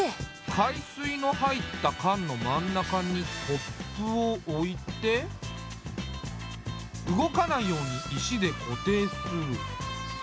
海水の入った缶の真ん中にコップを置いて動かないように石で固定する。